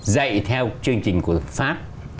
dạy theo chương trình của pháp